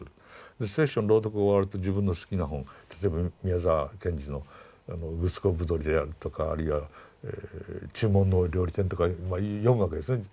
で聖書の朗読が終わると自分の好きな本例えば宮沢賢治のグスコーブドリであるとかあるいは「注文の多い料理店」とかまあ読むわけですね。